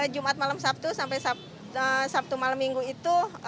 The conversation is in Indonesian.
jumat malam sabtu sampai sabtu malam minggu itu